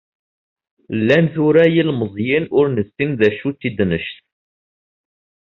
Llan tura yilemẓiyen ur nessin d acu d tidnect.